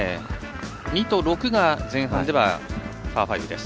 ２と６が前半ではパー５です。